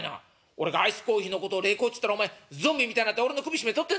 俺がアイスコーヒーのことを冷コーっつったらお前ゾンビみたいなって俺の首絞めとってんぞ」。